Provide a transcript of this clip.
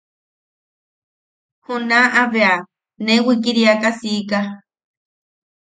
Junakaʼa bea ne wikiriaka siika.